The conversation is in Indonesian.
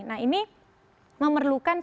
nah ini memerlukan prb